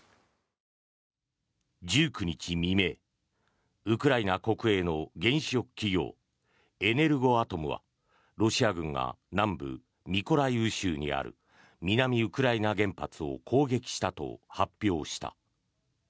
１９日未明、ウクライナ国営の原子力企業エネルゴアトムはロシア軍が南部ミコライウ州にある南ウクライナ原発を攻撃したと発表した。